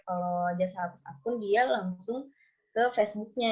kalau jasa hapus akun dia langsung ke facebooknya